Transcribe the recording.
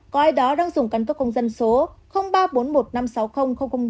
có ai đó đang dùng căn cấp công dân số